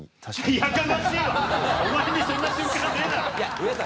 お前にそんな瞬間ねえだろ！